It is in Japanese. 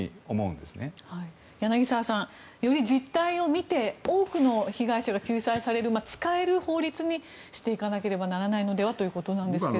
柳澤さんより実態を見て多くの被害者が救済される使える法律にしていかなければならないのではということですが。